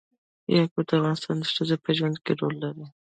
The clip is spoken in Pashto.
یاقوت د افغان ښځو په ژوند کې رول لري.